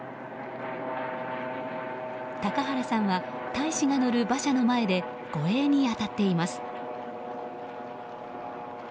高原さんは大使が乗る馬車の前で護衛に当たっています。